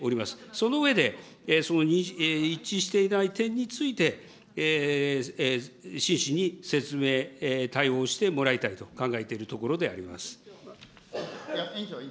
その上で、その一致していない点について、真摯に説明、対応してもらいたいと考えているところであります。